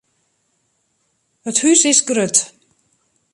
It hús is grut.